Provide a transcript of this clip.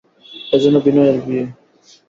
এ যে বিনয়ের বিয়ে।